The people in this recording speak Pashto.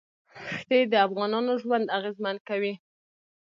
ښتې د افغانانو ژوند اغېزمن کوي.